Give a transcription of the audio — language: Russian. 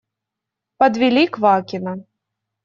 Подвели Квакина.